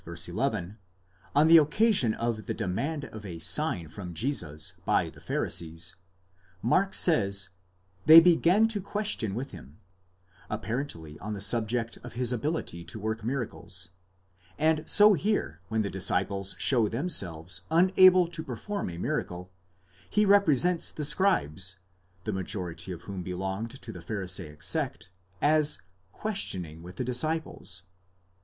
11), on the occasion of the demand of a sign from Jesus by the Pharisees, Mark says, ἥρξαντο συζητεῖν αὐτῷ, they began to question with him, apparently on the subject of his ability to work miracles ; and so here when the disciples show themselves unable to perform a miracle, he represents the scribes (the majority of whom belonged to the Pharisaic sect), as συζητοῦντας τοῖς μαθηταῖς, guestioning with the disciples.